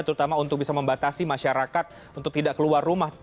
terutama untuk bisa membatasi masyarakat untuk tidak keluar rumah